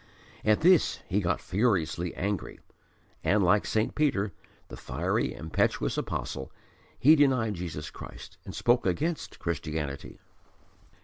At this he got furiously angry, and, like St. Peter, the fiery, impetuous apostle, he denied Jesus Christ and spoke against Christianity.